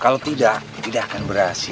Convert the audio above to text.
kalau tidak tidak akan berhasil